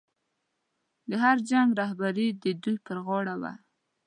د هر جنګ رهبري د دوی پر غاړه وه.